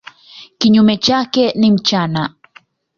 Kinyume chake ni mchana.